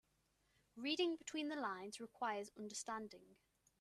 Reading between the lines requires understanding.